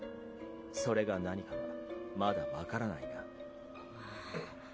それが何かはまだわからないが。